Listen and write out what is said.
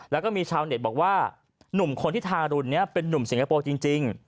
แล้วก็มีชาวเน็ตบอกว่าหนุ่มคนที่ทารุณนี้เป็นนุ่มสิงคโปร์จริง